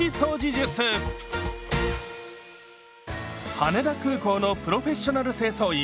羽田空港のプロフェッショナル清掃員